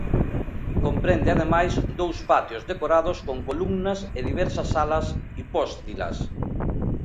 Comprende ademais, dous patios decorados con columnas e diversas salas hipóstilas.